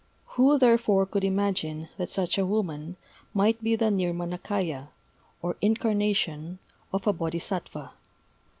Who therefore could imagine that such a woman might be the nirmanakaya, or incarnation, of a Bodhisattva.